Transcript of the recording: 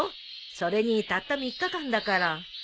それにたった３日間だから。